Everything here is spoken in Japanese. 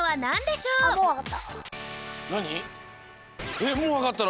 えっもうわかったの？